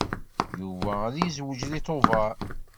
Yuba ad yezweǧ deg Tubeṛ.